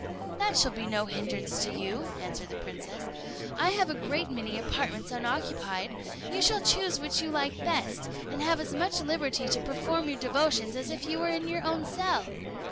"That shall be no hindrance to you," answered the princess; "I have a great many apartments unoccupied; you shall choose which you like best, and have as much liberty to perform your devotions as if you were in your own cell."